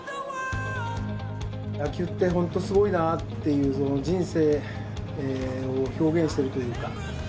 野球って本当すごいなっていう、人生を表現してるというか。